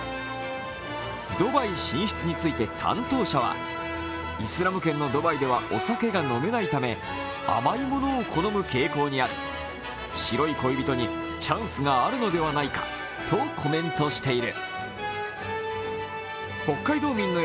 ドバイ進出について、担当者はイスラム圏のドバイでは、お酒が飲めないため、甘いものを好む傾向にある、白い恋人にチャンスがあるのではないかとコメントしている。